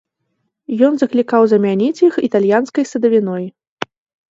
Ён заклікаў замяніць іх італьянскай садавіной.